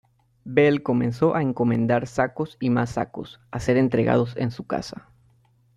Belle comenzó a encomendar sacos y más sacos, a ser entregados en su casa.